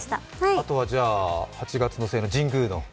あとは８月末の神宮の？